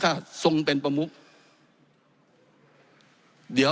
ท่านนายกคือทำร้ายระบอบประชาธิปไตยที่มีพระมหาคศัตริย์